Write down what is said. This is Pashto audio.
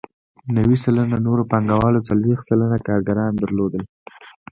نوي سلنه نورو پانګوالو څلوېښت سلنه کارګران درلودل